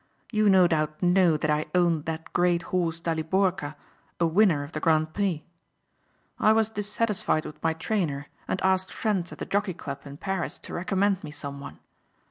You no doubt know that I owned that great horse Daliborka a winner of the Grand Prix. I was dissatisfied with my trainer and asked friends at the Jockey Club in Paris to recommend me someone.